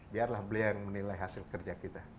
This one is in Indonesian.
biarlah beliau yang menilai hasil kerja kita